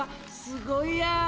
すごいや。